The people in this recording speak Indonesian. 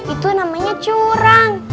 itu namanya curang